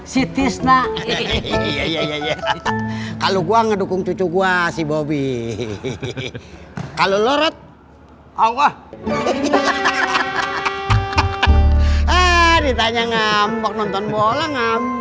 si tisna iya kalau gua ngedukung cucu gua si bobby kalau lu red allah ditanya ngambek nonton